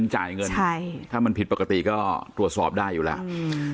ใช่ถ้ามันผิดปกติก็ตรวจสอบได้อยู่แล้ว